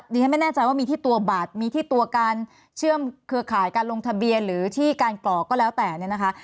ฉันไม่แน่ใจว่ามีที่ตัวบัตรมีที่ตัวการเชื่อมเครือข่ายการลงทะเบียนหรือที่การกรอกก็แล้วแต่เนี่ยนะคะ